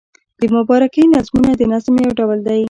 د مبارکۍ نظمونه د نظم یو ډول دﺉ.